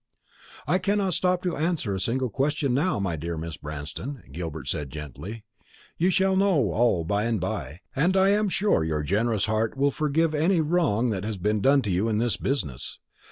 "I cannot stop to answer a single question now, my dear Mrs. Branston," Gilbert said gently. "You shall know all by and by, and I am sure your generous heart will forgive any wrong that has been done you in this business.